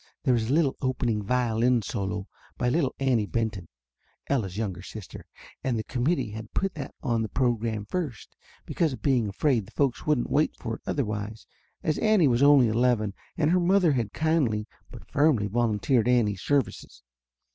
There was a opening violin solo by little Afcnie Ben ton, Ella's younger sister, and the committee had put that on the program first because of being afraid the folks wouldn't wait for it otherwise as Annie was only eleven and her mother had kindly but firmly volunteered Annie's services.